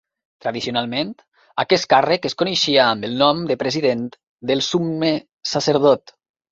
Tradicionalment, aquest càrrec es coneixia amb el nom de president del summe sacerdot.